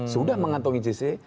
sudah mengantongi jc